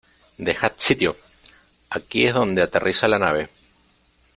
¡ Dejad sitio! Aquí es donde aterriza la nave.